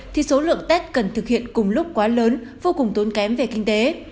thì số lượng tết cần thực hiện cùng lúc quá lớn vô cùng tốn kém về kinh tế